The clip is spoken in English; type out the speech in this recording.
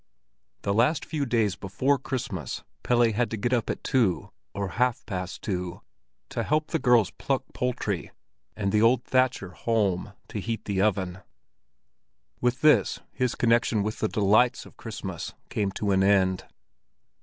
The last few days before Christmas Pelle had to get up at two or half past two to help the girls pluck poultry, and the old thatcher Holm to heat the oven. With this his connection with the delights of Christmas came to an end.